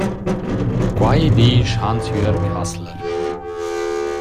Quai disch Hansjörg Hassler.